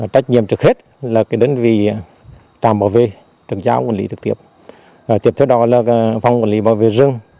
tiếp theo đó là phòng quản lý bảo vệ rừng